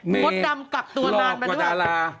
หลอกกว่าดารา